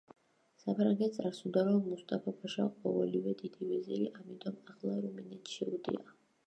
საფრანგეთს არ სურდა, რომ მუსტაფა-ფაშა ყოფილიყო დიდი ვეზირი, ამიტომ ახლა რუმინეთს შეუტია.